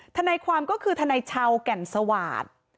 ทนายความก็คือทนายชาวแก่นสวาสตร์